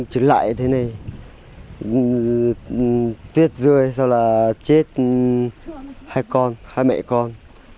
chơi lại thế này tuyết rơi sau là chết hai con hai mẹ con